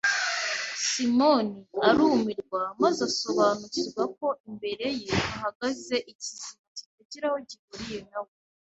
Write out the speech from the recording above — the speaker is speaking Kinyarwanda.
Simoni arumirwa maze asobanukirwa ko imbere ye hahagaze ikizima kitagira aho gihuriye na we.